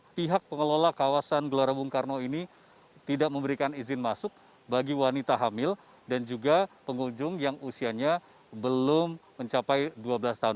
pihak pengelola kawasan gelora bung karno ini tidak memberikan izin masuk bagi wanita hamil dan juga pengunjung yang usianya belum mencapai dua belas tahun